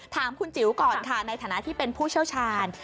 ถามคุณจิ๋วก่อนค่ะในฐานะที่เป็นผู้เชี่ยวชาญ